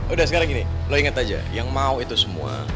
udah sekarang gini lo inget aja yang mau itu semua